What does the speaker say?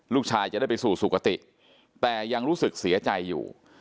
ลูกชายจะได้ไปสู่สุขติแต่ยังรู้สึกเสียใจอยู่